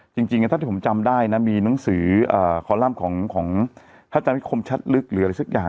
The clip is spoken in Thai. จริงถ้าที่ผมจำได้นะมีหนังสือคอลัมป์ของอาจารย์นิคมชัดลึกหรืออะไรสักอย่าง